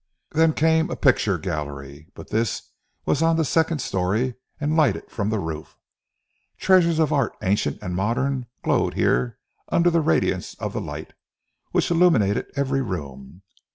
Then came a picture gallery, but this was on a second storey and lighted from the roof. Treasures of art ancient and modern glowed here under the radiance of the light, which illuminated every room.